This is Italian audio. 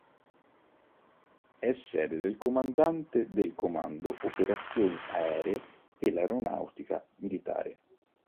È sede del Comandante del Comando Operazioni Aeree dell'Aeronautica Militare.